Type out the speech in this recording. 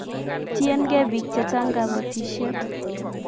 tiengei biik chechang kabotisie